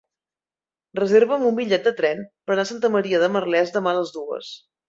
Reserva'm un bitllet de tren per anar a Santa Maria de Merlès demà a les dues.